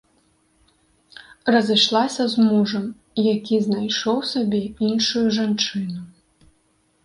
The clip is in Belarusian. Разышлася з мужам, які знайшоў сабе іншую жанчыну.